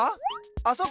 あそこ？